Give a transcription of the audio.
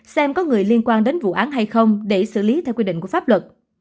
xem có người liên quan đến vụ án hay không để xử lý theo quy định của pháp luật